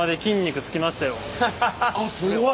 あっすごい！